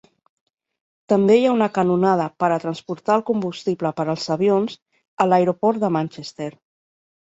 També hi ha una canonada per a transportar el combustible per als avions a l'aeroport de Manchester.